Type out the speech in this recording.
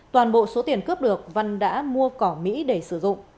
toàn bộ số tiền cướp được văn đã mua cỏ mỹ để sử dụng